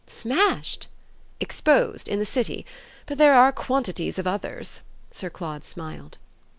"Smashed?" "Exposed in the City. But there are quantities of others!" Sir Claude smiled.